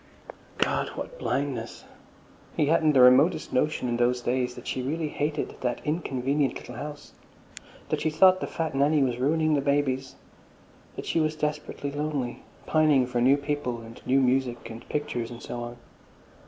God, what blindness! He hadn't the remotest notion in those days that she really hated that inconvenient little house, that she thought the fat Nanny was ruining the babies, that she was desperately lonely, pining for new people and new music and pictures and so on.